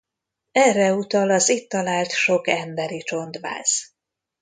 Erre utal az itt talált sok emberi csontváz.